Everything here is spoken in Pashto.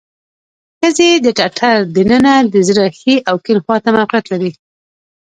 سږي د ټټر د ننه د زړه ښي او کیڼ خواته موقعیت لري.